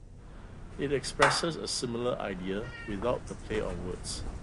It expresses a similar idea without the play on words.